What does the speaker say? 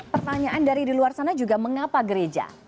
pertanyaan dari di luar sana juga mengapa gereja